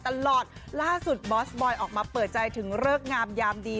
ตลอดล่าสุดบอสบอยออกมาเปิดใจถึงเลิกงามยามดี